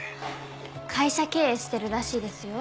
会社経営してるらしいですよ。